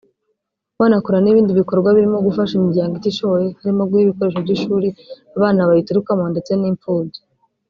banakora n’ibindi bikorwa birimo gufasha imiryango itishoboye harimo guha ibikoresho by’ishuri abana bayiturukamo ndetse n’impfubyi